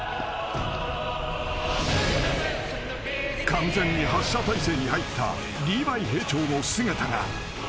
［完全に発射体勢に入ったリヴァイ兵長の姿が］